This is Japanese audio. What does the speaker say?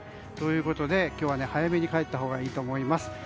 ということで、今日は早めに帰ったほうがいいと思います。